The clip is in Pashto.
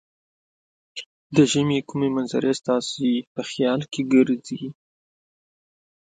د ژمې کومې منظرې ستاسې په خیال کې ګرځي؟